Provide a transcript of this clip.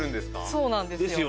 そうなんですよ。